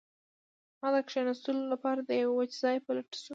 هغه د کښیناستلو لپاره د یو وچ ځای په لټه شو